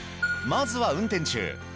まずは運転中。